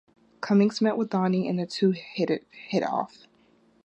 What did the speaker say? Cummings met with Donnie and the two hit off.